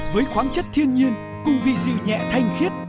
với khoáng chất thiên nhiên cùng vị dịu nhẹ thanh khiết